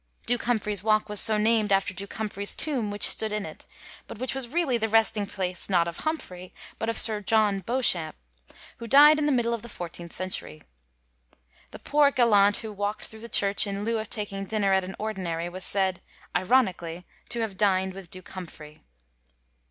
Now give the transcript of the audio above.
^ Duke Hum phrey's Walk was so named after Duke Humphrey's tomb which stood in it, but which was really the resting place, not of Humphrey, but of Sir John Beauchamp, who died in the middle of the fourteenth century. The poor gallant who walkt thru the church in lieu of taking dinner at an ordinary was said, ironically, to have dined with Duke Humphrey.